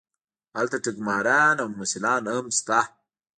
هلته ټګماران او ممثلان هم شته.